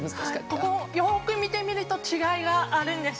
よく見てみると違いがあるんです。